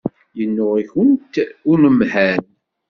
Yennuɣ-ikent unemhal.